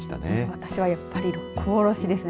私はやっぱり六甲おろしですね。